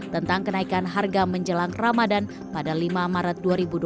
tentang kenaikan harga menjelang ramadan pada lima maret dua ribu dua puluh